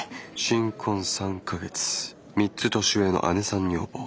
新婚３か月３つ年上の姉さん女房。